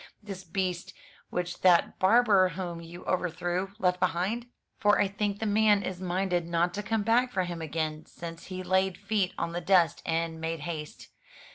This beast which that barber whom you overthrew left behind? For I think the man is minded not to come back for him again, since he laid feet on the dust and made haste.